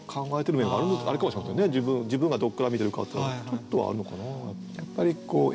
自分がどっから見てるかっていうのはちょっとはあるのかな。